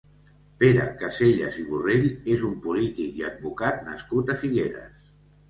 Pere Casellas i Borrell és un polític i advocat nascut a Figueres.